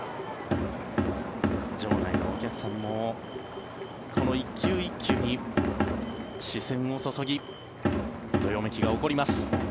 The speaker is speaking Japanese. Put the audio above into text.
場内のお客さんもこの１球１球に視線を注ぎどよめきが起こります。